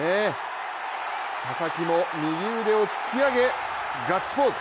佐々木も右腕を突き上げ、ガッツポーズ。